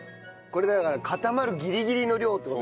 これだから固まるギリギリの量って事でしょ？